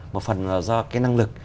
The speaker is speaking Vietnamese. một phần là do cái năng lực